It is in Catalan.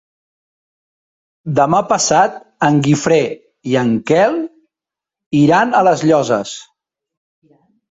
Demà passat en Guifré i en Quel iran a les Llosses.